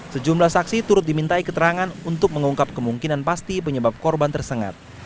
sejumlah saksi turut dimintai keterangan untuk mengungkap kemungkinan pasti penyebab korban tersengat